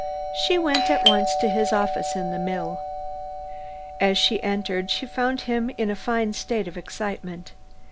She went at once to his office in the mill. As she entered she found him in a fine state of excitement.